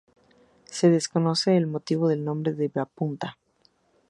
Se desconoce el motivo del nombre de la punta.